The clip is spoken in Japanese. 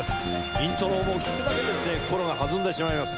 イントロを聴くだけで心がはずんでしまいます。